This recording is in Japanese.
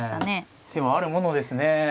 手はあるものですね。